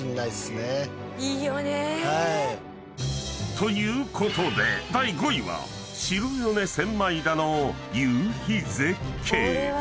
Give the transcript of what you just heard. ［ということで第５位は白米千枚田の夕日絶景］